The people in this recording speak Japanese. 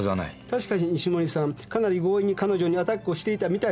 確かに石森さんかなり強引に彼女にアタックをしていたみたいです。